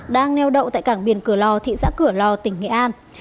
đang neo đậu tại cảng biển cửa lò thị xã cửa lò tỉnh nghệ an